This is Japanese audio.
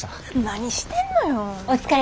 何してんのよ！